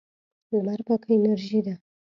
لمر پاکه انرژي ده.